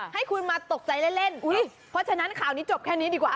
ให้คุณมาตกใจเล่นเพราะฉะนั้นข่าวนี้จบแค่นี้ดีกว่า